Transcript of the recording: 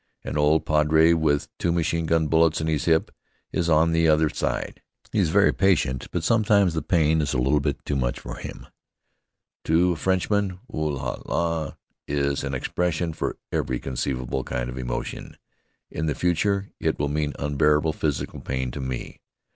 An old padre, with two machine gun bullets in his hip, is on the other side. He is very patient, but sometimes the pain is a little too much for him. To a Frenchman, "Oh, là, là!" is an expression for every conceivable kind of emotion. In the future it will mean unbearable physical pain to me.